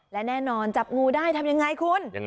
และแน่นอนจับงูได้ทำยังไงคุณ